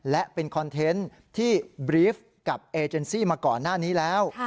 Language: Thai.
และเป็นคอนเทนต์ที่บรีฟกับเอเจนซี่มาก่อนหน้านี้แล้ว